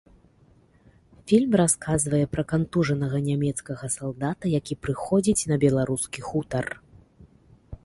Фільм расказвае пра кантужанага нямецкага салдата, які прыходзіць на беларускі хутар.